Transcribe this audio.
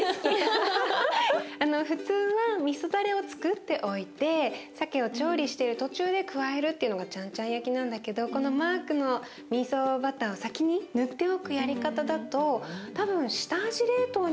普通はみそだれをつくっておいてさけを調理してる途中で加えるっていうのがちゃんちゃん焼きなんだけどこのマークのみそバターを先に塗っておくやり方だと多分下味冷凍にもいいんじゃないのかな？